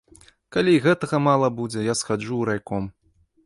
Калі й гэтага мала будзе, я схаджу ў райком.